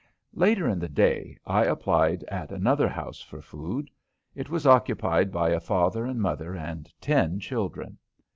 Later in the day I applied at another house for food. It was occupied by a father and mother and ten children.